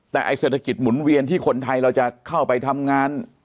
แต่ไอ้เศรษฐกิจหมุนเวียนที่คนไทยเราจะเข้าไปทำงาน